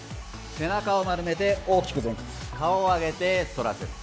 背中を丸めて大きく前屈顔を上げて反らせる。